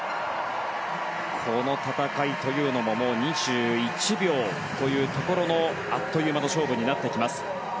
この戦いというのも２１秒というところのあっという間の勝負になってきます。